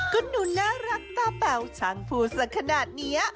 ก็หนูน่ารักตาแปวชังพูสักขนาดนี้